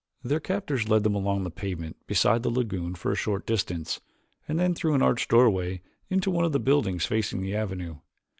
Their captors led them along the pavement beside the lagoon for a short distance and then through an arched doorway into one of the buildings facing the avenue.